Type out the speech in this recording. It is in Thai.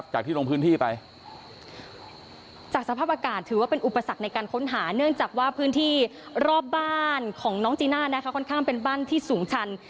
ที่ลงพื้นที่ไปจากสภาพอากาศถือว่าเป็นอุปสรรคในการค้นหาเนื่องจากว่าพื้นที่รอบบ้านของน้องจีน่านะคะค่อนข้างเป็นบ้านที่สูงชัน